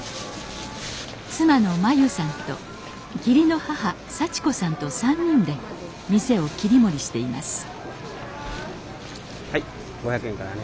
妻の麻由さんと義理の母幸子さんと３人で店を切り盛りしていますはい５００円からね。